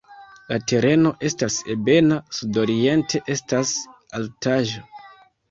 La tereno estas ebena, sudoriente estas altaĵo.